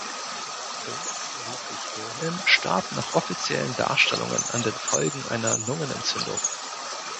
Prinz Ludwig Wilhelm starb nach offiziellen Darstellungen an den Folgen einer Lungenentzündung.